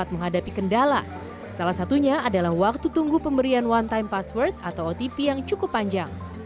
menghadapi kendala salah satunya adalah waktu tunggu pemberian one time password atau otp yang cukup panjang